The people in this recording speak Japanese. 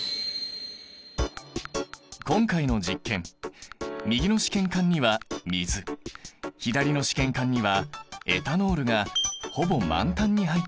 今回の実験右の試験管には水左の試験管にはエタノールがほぼ満タンに入っている。